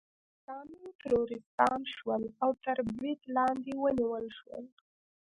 پښتانه ترورستان شول او تر برید لاندې ونیول شول